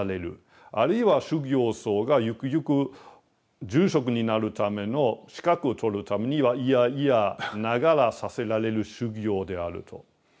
あるいは修行僧がゆくゆく住職になるための資格を取るために嫌々ながらさせられる修行であると。